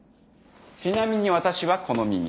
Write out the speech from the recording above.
ちなみに私はこの耳。